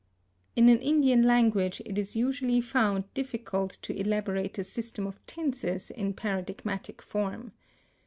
In an Indian language it is usually found difficult to elaborate a system of tenses in paradigmatic form.